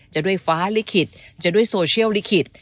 จะด้วยฟ้าลิขิตจะด้วยโซเชียลลิขิต